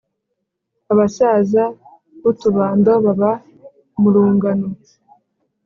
abasaza b’utubando baba mu rungano